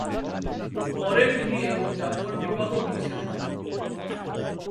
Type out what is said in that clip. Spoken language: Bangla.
পরে তিনি এবং জাফর বিবাহ বিচ্ছেদ হন।